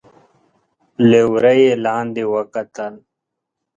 له وره يې لاندې وکتل.